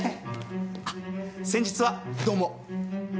あっ先日はどうも。